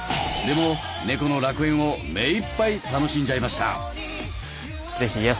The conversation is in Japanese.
でも猫の楽園を目いっぱい楽しんじゃいました！